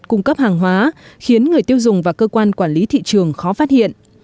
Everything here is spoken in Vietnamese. cung cấp hàng hóa khiến người tiêu dùng và cơ quan quản lý thị trường khó phát hiện